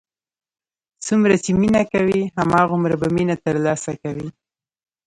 څومره چې مینه کوې، هماغومره به مینه تر لاسه کوې.